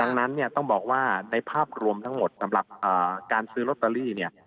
ดังนั้นต้องบอกว่าในภาพรวมทั้งหมดสำหรับการซื้อโรตเตอรี่